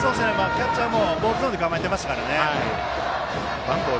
キャッチャーもボールゾーンで構えていました。